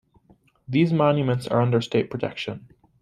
These monuments are under state protection.